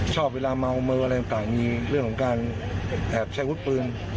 เวลาเมาเมาอะไรต่างมีเรื่องของการแอบใช้วุฒิปืน